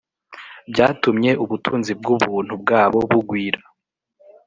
byatumye ubutunzi bw ubuntu bwabo bugwira